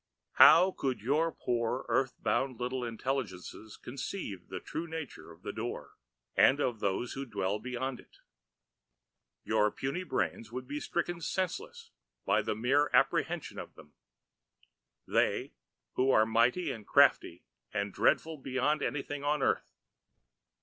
"How could your poor, earth bound little intelligences conceive the true nature of the Door and of those who dwell beyond it? Your puny brains would be stricken senseless by mere apprehension of them, They who are mighty and crafty and dreadful beyond anything on earth."